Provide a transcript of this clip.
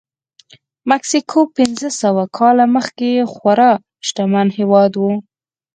مکسیکو پنځه سوه کاله مخکې خورا شتمن هېواد و.